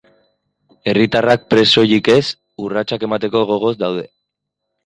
Herritarrak prest soilik ez, urratsak emateko gogoz daude.